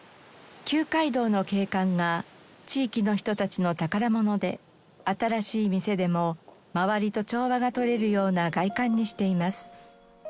旧街道の景観が地域の人たちの宝物で新しい店でも周りと調和が取れるような外観にしています。